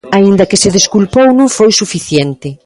Aínda que se desculpou non foi suficiente.